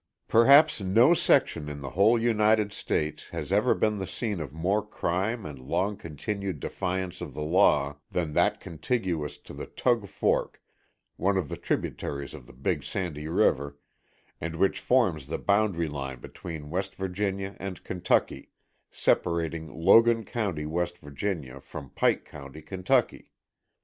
Perhaps no section in the whole United States has ever been the scene of more crime and long continued defiance of the law than that contiguous to the Tug Fork, one of the tributaries of the Big Sandy river, and which forms the boundary line between West Virginia and Kentucky, separating Logan County, W. Va., from Pike County, Ky.